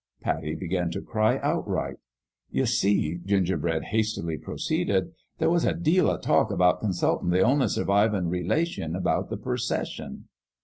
Pattie began to cry outright. "You see," Gingerbread hastily proceeded, "there was a deal o' talk about consultin' the only survivin' re lation about the percession."